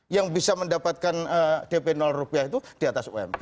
yang bisa mendapatkan dp rupiah itu di atas ump